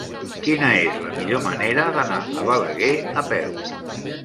Quina és la millor manera d'anar a Balaguer a peu?